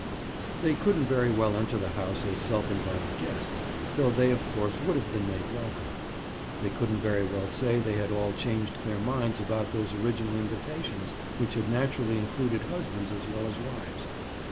They couldn't very well enter the house as self invited guests, though they, of course, would have been made welcome. They couldn't very well say they had all changed their minds about those original invitations which had naturally included husbands as well as wives.